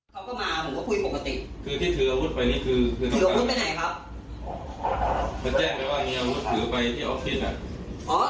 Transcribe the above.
เขาก็มาผมก็คุยผมกับติด